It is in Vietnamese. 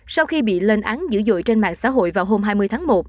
sau khi bị lên án dữ dội trên mạng xã hội vào hôm hai mươi tháng một